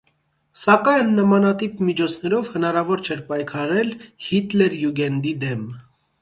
Սակայն նմանատիպ միջոցներով հնարավոր չէր պայքարել հիտլերյուգենդի դեմ։